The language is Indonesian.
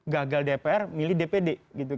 gagal dpr milih dpd gitu